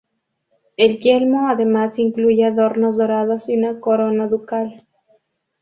El yelmo además incluyen adornos dorados y una corona ducal.